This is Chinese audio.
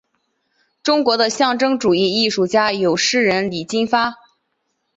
中国的象征主义艺术家有诗人李金发。